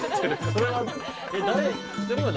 それは誰？